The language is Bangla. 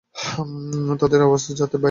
তাদের আওয়াজ যাতে বাইরে না আসে।